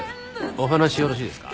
お話よろしいですか？